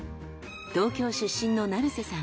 東京出身の成瀬さん。